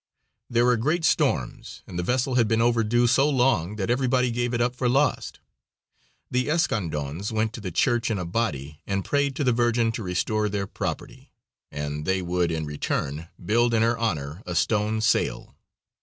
There were great storms, and the vessel had been overdue so long that everybody gave it up for lost. The Escandons went to the church in a body and prayed to the Virgin to restore their property, and they would in return build in her honor a stone sail.